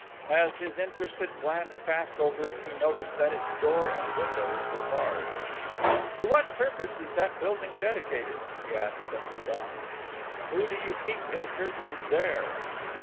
As his interested glance passed over it he noticed that its door and windows were barred. "To what purpose is that building dedicated?" he asked of Lu don. "Who do you keep imprisoned there?"